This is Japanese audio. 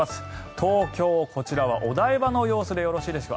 東京、こちらはお台場の様子でよろしいですか？